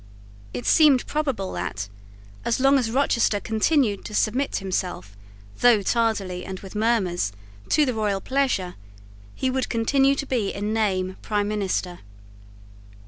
It seemed probable that, as long as Rochester continued to submit himself, though tardily and with murmurs, to the royal pleasure, he would continue to be in name prime minister.